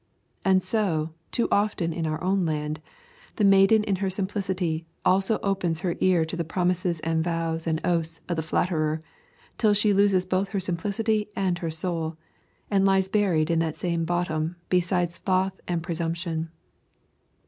And so, too often in our own land, the maiden in her simplicity also opens her ear to the promises and vows and oaths of the flatterer, till she loses both her simplicity and her soul, and lies buried in that same bottom beside Sloth and Presumption.